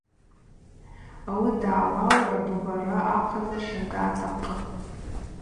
Ауи дгӏауаура, дубара ахъазла щарда атахъыпӏ.